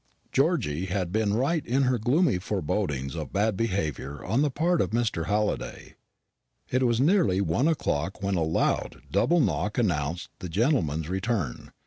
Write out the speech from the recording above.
Georgy had been right in her gloomy forebodings of bad behaviour on the part of Mr. Halliday. It was nearly one o'clock when a loud double knock announced that gentleman's return.